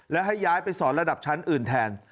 และให้ย้ายไปสอนระดับชั้นอื่นแทน